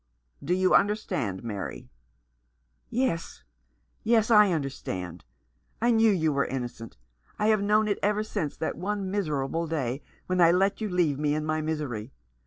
" Do you understand, Mary ?" "Yes, yes, I understand. I knew you were innocent. I have known it ever since that one miserable day when I let you leave me in my misery.